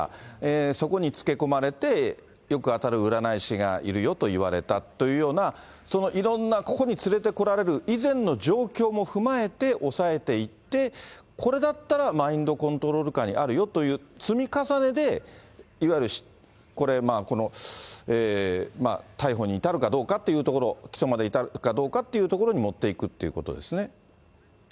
そこにつけ込まれて、よく当たる占い師がいるよと言われたというような、そのいろんな、ここに連れてこられる以前の状況も踏まえておさえていって、これだったら、マインドコントロール下にあるよという積み重ねで、いわゆるこれ、この逮捕に至るかどうかというところ、起訴まで至るかどうかというところに持っていくっていうことですね。